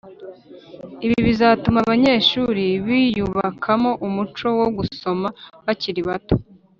ibi bizatuma abanyeshuri biyubakamo umuco wo gusoma bakiri bato